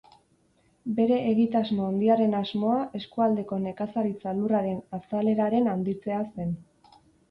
Bere egitasmo handiaren asmoa, eskualdeko nekazaritza lurraren azaleraren handitzea zen.